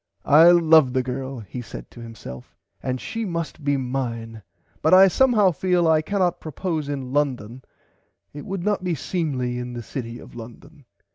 I love the girl he said to himself and she must be mine but I somehow feel I can not propose in London it would not be seemly in the city of London.